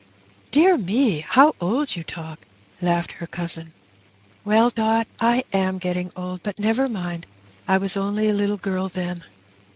''" Dear me, how old you talk !" laughed her cousin. " Well, Dot, I am getting old ; but never mind, I was only a little girl then.